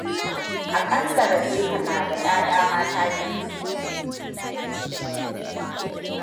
A ƙalla Rabecca na da ƴaƴa mata biyu.